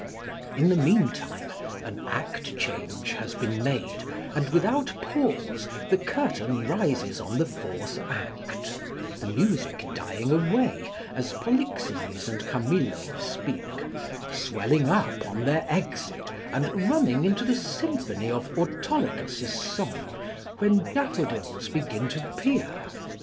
In the meantime, an act change has been made, and without pause the curtain rises on the fourth act; the music dying away as Polixenes and Camillo speak, swelling up on their exit and running into the symphony of Autolycus's song, "When daffodils begin to peer."